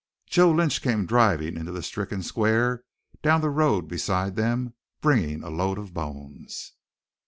Joe Lynch came driving into the stricken square down the road beside them, bringing a load of bones.